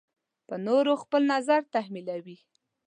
په نورو خپل نظر تحمیلوي.